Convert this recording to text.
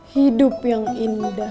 hidup yang indah